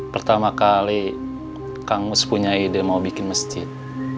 pertama kali kang mus punya ide mau bikin masjid